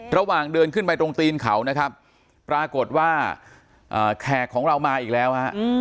ระหว่างเดินขึ้นไปตรงตีนเขานะครับปรากฏว่าแขกของเรามาอีกแล้วฮะ